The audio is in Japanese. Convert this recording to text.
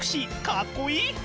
かっこいい！